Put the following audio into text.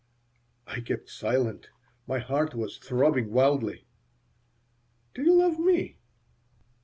I kept silent. My heart was throbbing wildly. "Do you love me?"